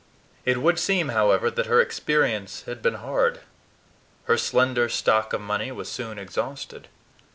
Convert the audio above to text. It would seem, however, that her experience had been hard. Her slender stock of money was soon exhausted.